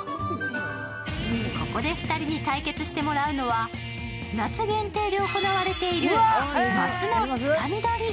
ここで２人に対決してもらうのは夏限定で行われているマスのつかみ取り。